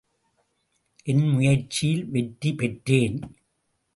என் முயற்சியில் வெற்றி பெற்றேன்.